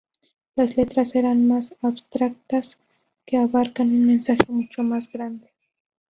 Las letras eran más abstractas, que abarcan un mensaje mucho más grande.